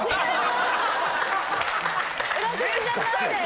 裏口じゃないです。